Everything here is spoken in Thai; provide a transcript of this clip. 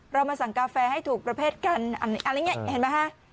เรามาสั่งกาแฟให้ถูกประเภทกันอะไรอย่างนี้เห็นไหมฮะ